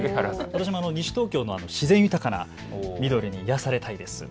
私も西東京の自然豊かな緑に癒やされたいです。